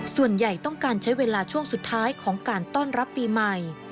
ส่วนใหญ่ต้องการใช้เวลาช่วงสุดท้ายของการต้อนรับปีใหม่